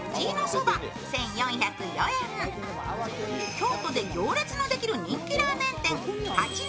京都で行列のできる人気ラーメン店、八ノ